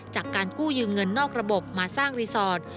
จากการกู้ยืมเงินนอกระบบมาสร้างรีสอร์ท